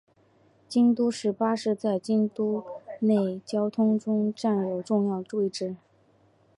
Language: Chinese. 京都市巴士在京都市内交通中占有重要位置。